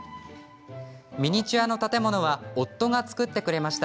ミニチュアの建物は夫が作ってくれました。